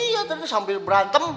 iya tadi sambil berantem